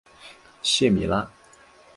谢米拉。